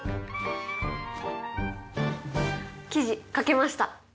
記事書けました。